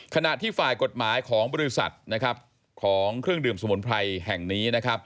ขณะที่ฝ่ายกฎหมายของบริษัทของเครื่องดื่มสมุนไพรแห่งนี้